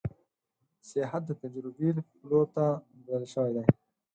سیاحت د تجربې پلور ته بدل شوی دی.